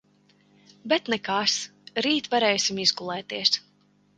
Bet nekas, rīt varēsim izgulēties.